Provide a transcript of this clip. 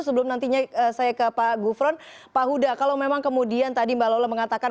sebelum nantinya saya ke pak gufron pak huda kalau memang kemudian tadi mbak lola mengatakan